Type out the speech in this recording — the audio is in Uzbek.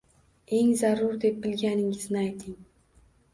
Eng zarur deb bilganingizni ayting.